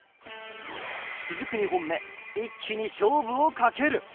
続く２本目一気に勝負をかける。